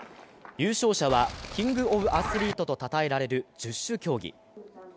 優勝者はキング・オブ・アスリートとたたえられる十種競技。